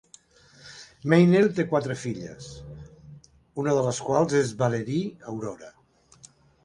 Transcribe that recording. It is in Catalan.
Meinel té quatre filles, una de les quals és Valerie Aurora.